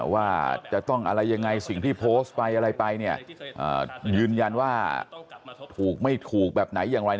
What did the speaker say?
ว่าจะต้องอะไรยังไงสิ่งที่โพสต์ไปอะไรไปเนี่ยยืนยันว่าถูกไม่ถูกแบบไหนอย่างไร